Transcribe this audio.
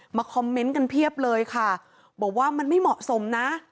คอมเมนต์กันเพียบเลยค่ะบอกว่ามันไม่เหมาะสมนะ